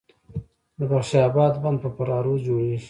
د بخش اباد بند په فراه رود جوړیږي